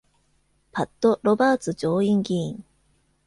パット・ロバーツ上院議員。